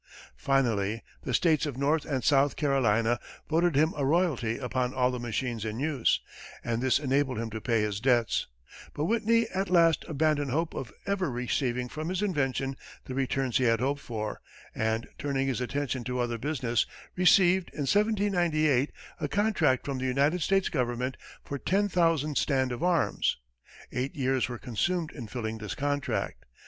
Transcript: Finally, the states of North and South Carolina voted him a royalty upon all the machines in use, and this enabled him to pay his debts; but Whitney at last abandoned hope of ever receiving from his invention the returns he had hoped for, and, turning his attention to other business, received, in 1798, a contract from the United States government for 10,000 stand of arms. Eight years were consumed in filling this contract.